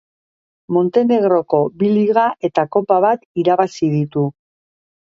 Montenegroko bi liga eta kopa bat irabazi ditu.